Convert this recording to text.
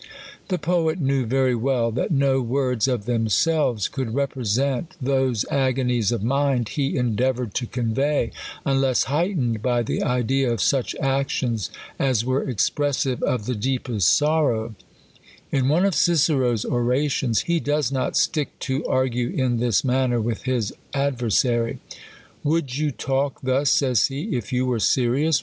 The poet knew very well, that no words of them selves could represent those agonies of mind he endeav oured to convey, unless heightened by the idea of such actions as were expressive of the deepest sorrow, in one of Cicero's orations, he does not stick to argue in this manner with his adversary. " Would you talk thus (says he) if you were serious